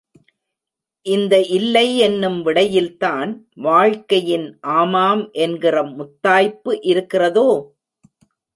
இந்த இல்லை என்னும் விடையில்தான் வாழ்க்கையின் ஆமாம் என்கிற முத்தாய்ப்பு இருக்கிறதோ?